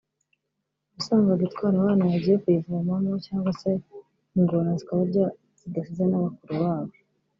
wasangaga itwara abana bagiye kuyivomamo cyangwa se ingona zikabarya zidasize na bakuru babo